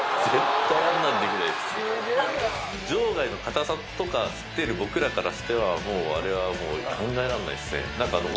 場外の硬さとか知ってる僕らからしてはもうあれは考えられないですね。